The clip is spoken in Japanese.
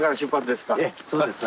ええそうです。